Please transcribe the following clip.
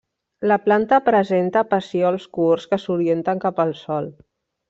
La planta presenta pecíols curts que s'orienten cap al sòl.